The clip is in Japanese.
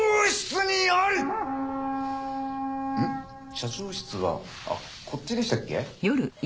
社長室はこっちでしたっけ？